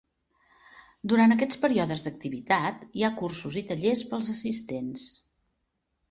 Durant aquests períodes d'activitat, hi ha cursos i tallers pels assistents.